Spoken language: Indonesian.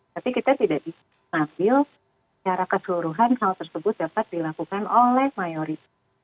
tapi kita tidak bisa mengambil secara keseluruhan hal tersebut dapat dilakukan oleh mayoritas